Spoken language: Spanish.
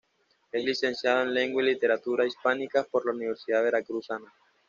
Es licenciado en Lengua y Literatura Hispánicas por la Universidad Veracruzana.